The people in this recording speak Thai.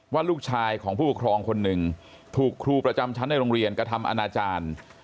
ว่าลูกชายของผู้ปกครองคนหนึ่งถูกครูประจำชั้นในโรงเรียนกระทำอนาจารย์